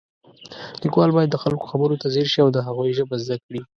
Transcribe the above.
لیکوال باید د خلکو خبرو ته ځیر شي او د هغوی ژبه زده کړي